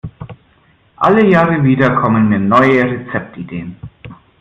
Alle Jahre wieder kommen mir neue Rezeptideen.